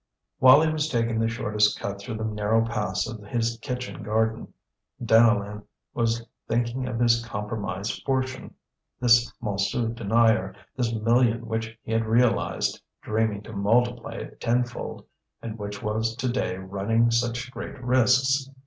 While he was taking the shortest cut through the narrow paths of his kitchen garden, Deneulin was thinking of his compromised fortune, this Montsou denier, this million which he had realized, dreaming to multiply it tenfold, and which was to day running such great risks.